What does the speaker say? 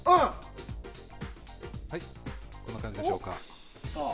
はい、こんな感じでしょうか。